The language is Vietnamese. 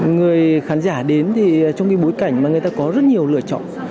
người khán giả đến thì trong cái bối cảnh mà người ta có rất nhiều lựa chọn